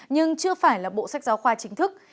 nhưng chưa phải là bộ sách giáo khoa chính thức